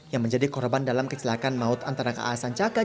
yang menjadi korban dalam kecelakaan maut antara kaa sancaka